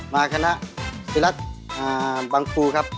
มาคณะศิลัฐบังปูครับ